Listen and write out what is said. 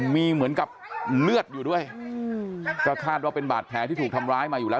มีเหมือนกับเลือดอยู่ด้วยก็คาดว่าเป็นบาดแผลที่ถูกทำร้ายมาอยู่แล้ว